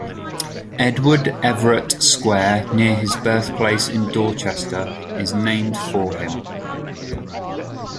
Edward Everett Square, near his birthplace in Dorchester, is named for him.